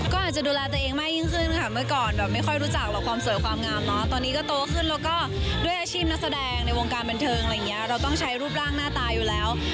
ก็อาจจะดูแลตัวเองมากยิ่งขึ้นค่ะเมื่อก่อนแบบไม่ค่อยรู้จักหรอกความสวยความงามเนอะตอนนี้ก็โตขึ้นแล้วก็ด้วยอาชีพนักแสดงในวงการบันเทิงอะไรอย่างนี้เราต้องใช้รูปร่างหน้าตาอยู่แล้ว